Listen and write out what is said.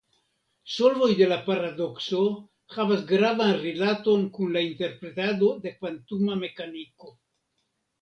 Solvoj de la paradokso havas gravan rilaton kun la interpretado de kvantuma mekaniko.